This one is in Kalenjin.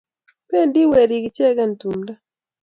Bendi werik ichegei tumdo